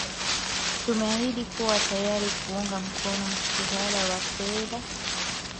tumeahidi kuwa tayari kuunga mkono muswada wa fedha